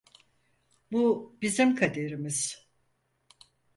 Bu bizim kaderimiz.